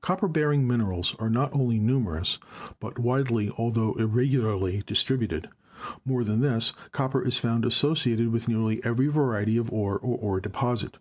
Copper bearing minerals are not only numerous, but widely altho irregularly distributed. More than this, cop per is found associated with nearly every variety of ore or ore deposit.